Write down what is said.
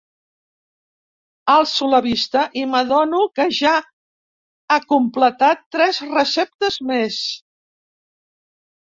Alço la vista i m'adono que ja ha completat tres receptes més.